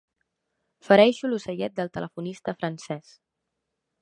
Fereixo l'ocellet del telefonista francès.